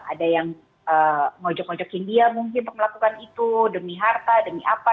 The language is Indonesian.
ada yang ngojok ngojokin dia mungkin untuk melakukan itu demi harta demi apa